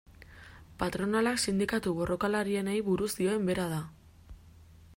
Patronalak sindikatu borrokalarienei buruz dioen bera da.